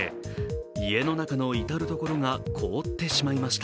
家の中の至る所が凍ってしまいました。